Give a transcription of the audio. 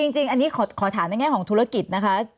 จริงอันนี้ขอถามในแง่ของธุรกิจนะคะ